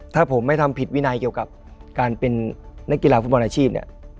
ถ้าผมไม่ทำผิดวินัยเกี่ยวกับการเป็นนักกีฬาฟุตบอลอาชีพเนี่ย